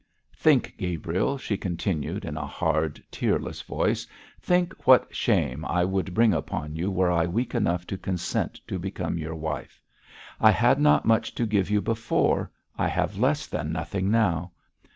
'Think, Gabriel,' she continued, in a hard, tearless voice, 'think what shame I would bring upon you were I weak enough to consent to become your wife. I had not much to give you before; I have less than nothing now.